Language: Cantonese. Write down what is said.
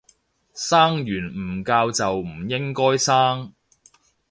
生完唔教就唔應該生